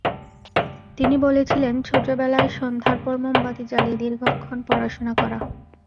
তিনি বলেছিলেন, ছোটবেলায় সন্ধ্যার পর মোমবাতি জ্বালিয়ে দীর্ঘক্ষণ পড়াশোনা করা।